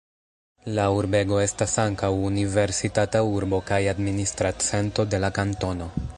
La urbego estas ankaŭ universitata urbo kaj administra cento de la kantono.